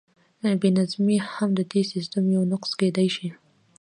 بې نظمي هم د دې سیسټم یو نقص کیدی شي.